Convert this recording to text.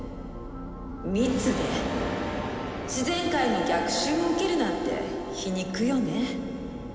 密で自然界の逆襲を受けるなんて皮肉よね。